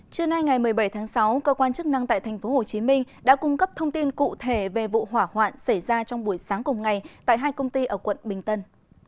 trưa nay ngày một mươi bảy tháng sáu cơ quan chức năng tại tp hcm đã cung cấp thông tin cụ thể về vụ hỏa hoạn xảy ra trong buổi sáng cùng ngày tại hai công ty ở quận bình tân